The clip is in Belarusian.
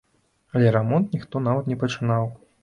Але рамонт ніхто нават не пачынаў.